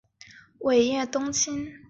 尾叶冬青